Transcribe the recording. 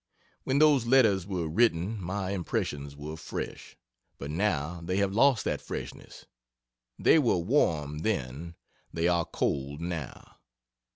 When those letters were written my impressions were fresh, but now they have lost that freshness; they were warm then they are cold, now.